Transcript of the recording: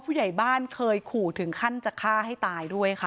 ผู้ใหญ่บ้านเคยขู่ถึงขั้นจะฆ่าให้ตายด้วยค่ะ